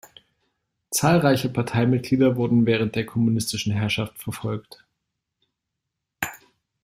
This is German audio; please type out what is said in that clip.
Zahlreiche Parteimitglieder wurden während der kommunistischen Herrschaft verfolgt.